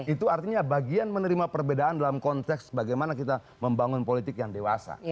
itu artinya bagian menerima perbedaan dalam konteks bagaimana kita membangun politik yang dewasa